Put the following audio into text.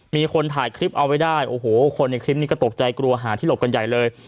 มีคนถ่ายคลิปเอาไว้ได้โอ้โหคนในคลิปนี้ก็ตกใจกลัวหาที่หลบกันใหญ่เลย